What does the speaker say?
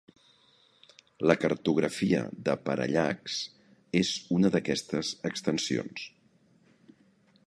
La cartografia de Parallax és una d'aquestes extensions.